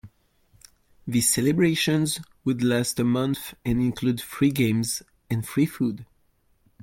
The celebrations would last a month and include free games and free food.